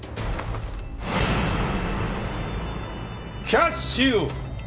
キャッシュ！